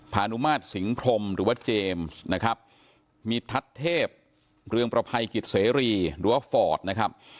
พานุมาตรสิงพรมหรือว่าเจมส์นะครับมีทัศน์เทพเรืองประภัยกิจเสรีหรือว่าฟอร์ดนะครับ